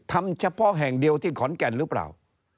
เฉพาะแห่งเดียวที่ขอนแก่นหรือเปล่า